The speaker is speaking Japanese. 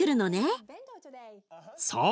そう。